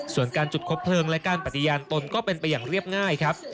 ส่วนการจุดคบเพลิงและการปฏิญาณตนก็เป็นไปอย่างเรียบง่ายครับ